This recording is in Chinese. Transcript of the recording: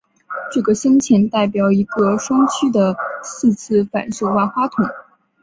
这个镶嵌代表一个双曲的四次反射万花筒。